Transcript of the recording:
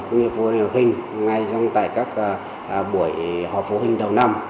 cũng như phụ huynh học sinh ngay trong các buổi họp phụ huynh đầu năm